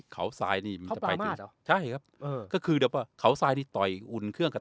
เขาทรายที่เขาทรายที่ต่อยอุ่นเครื่องกับ